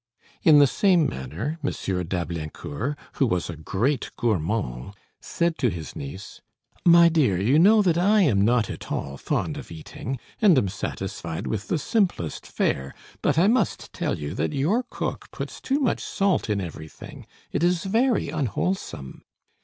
In the same manner, M. d'Ablaincourt, who was a great gourmand, said to his niece: "My dear, you know that I am not at all fond of eating, and am satisfied with the simplest fare; but I must tell you that your cook puts too much salt in everything! It is very unwholesome."